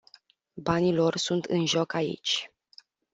Banii lor sunt în joc aici.